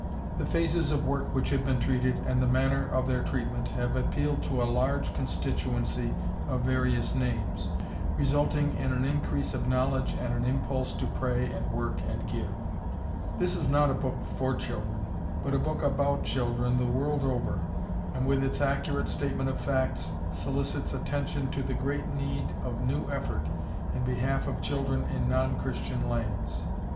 The phases of work which have been treated and the manner of their treatment have appealed to a large constituency of various names, resulting in an increase of knowledge and an impulse to pray and work and give. This is not a book for children, but a book about children the world over, and with its accurate statement of facts solicits attention to the great need of new effort in behalf of children in non Christian lands.